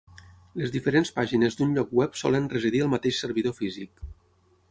Les diferents pàgines d'un lloc web solen residir al mateix servidor físic.